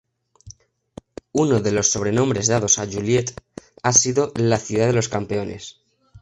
Uno de las sobrenombres dados a Joliet ha sido la "Ciudad de los Campeones".